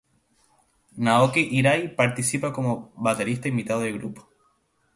Naoki Hirai participa como baterista invitado del grupo.